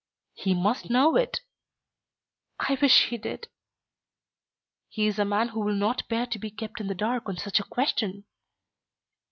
"He must know it." "I wish he did." "He is a man who will not bear to be kept in the dark on such a question."